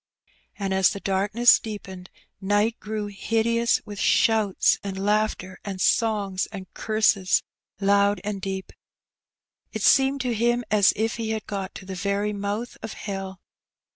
And, as the darkness deepened, night grew hideous with shouts, and laughter, and songs, and curses loud and deep. It seemed to him as if he had got to the very mouth of hell.